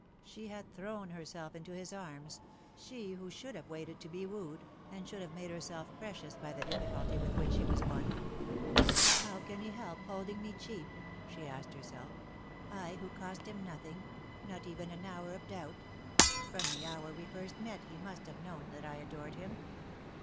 She had thrown herself into his armi she who should have waited to be wooed, and should have made herself precious by the difficulty with which she was won. " How can he help holding me cheap ?" she asked herself " I who cost him nothing, not even an hour of doubt ? From the hour we first met he must have known that I adored him."